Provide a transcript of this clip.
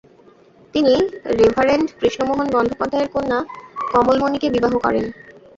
তিনি রেভারেন্ড কৃষ্ণমোহন বন্দ্যোপাধ্যায়ের কন্যা কমলমণিকে বিবাহ করেন।